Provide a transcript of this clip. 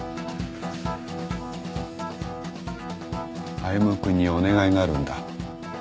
歩君にお願いがあるんだ。